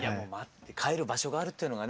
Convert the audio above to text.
帰る場所があるっていうのがね